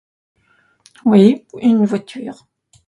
Oui, une voiture.